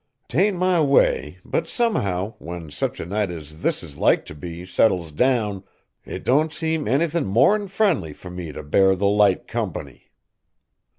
'T ain't my way, but somehow, when such a night as this is like t' be settles down, it don't seem anythin' more'n friendly fur me t' bear the Light company."